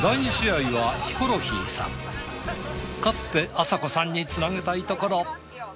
勝ってあさこさんにつなげたいところ。